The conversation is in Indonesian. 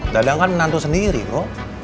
dadang kan menantu sendiri bro